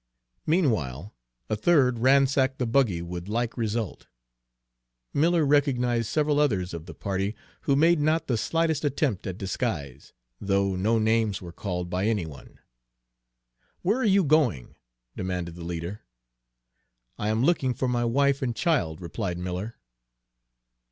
Meanwhile, a third ransacked the buggy with like result. Miller recognized several others of the party, who made not the slightest attempt at disguise, though no names were called by any one. "Where are you going?" demanded the leader. "I am looking for my wife and child," replied Miller.